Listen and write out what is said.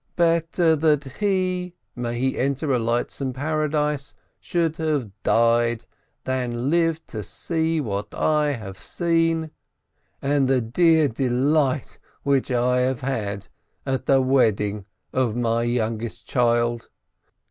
"Better that he (may he enter a lightsome paradise!) should have died than lived to see what I have seen, and the dear delight which I have had, at the wedding of my youngest child